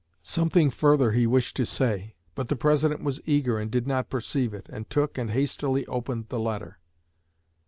Something further he wished to say; but the President was eager and did not perceive it, and took and hastily opened the letter.